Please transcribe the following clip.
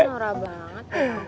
apaan sih nora banget ya